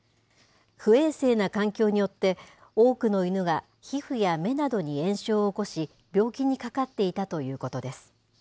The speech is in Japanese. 不衛生な環境によって、多くの犬が皮膚や目などに炎症を起こし、病気にかかっていたということです。